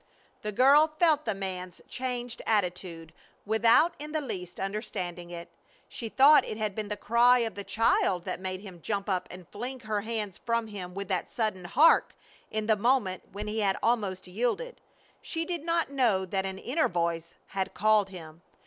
The girl felt the man's changed attitude without in the least understanding it. She thought it had been the cry of the child that made him jump up and fling her hands from him with that sudden "Hark!" in the moment when he had almost yielded. She did not know that an inner voice had called him.